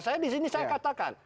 saya di sini saya katakan